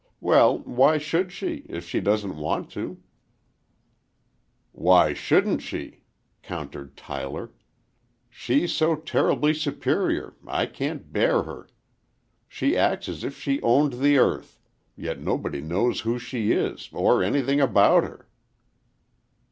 Well, why should she, if she doesn't want to?" "Why shouldn't she?" countered Tyler. "She's so terribly superior,—I can't bear her. She acts as if she owned the earth, yet nobody knows who she is, or anything about her."